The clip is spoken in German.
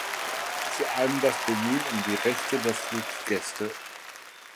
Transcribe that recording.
Zum einen das Bemühen um die Rechte der Fluggäste.